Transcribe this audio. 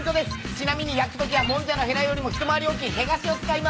ちなみに焼くときはもんじゃのへらよりも一回り大きいヘガシを使います。